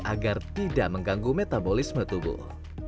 agar tidak mengganggu metabolisme tubuh